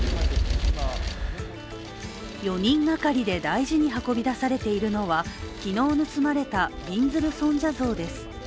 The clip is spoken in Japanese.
４人がかりで大事に運び出されているのは昨日盗まれた、びんずる尊者像です。